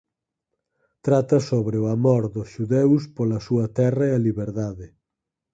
Trata sobre o amor dos xudeus pola súa terra e a liberdade.